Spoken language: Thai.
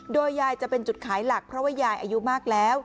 โดยยายจะเป็นจุดขายหลักเพราะว่ายายอายุมากแล้ว